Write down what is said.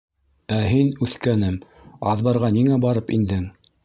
— Ә һин, үҫкәнем, аҙбарға ниңә барып индең?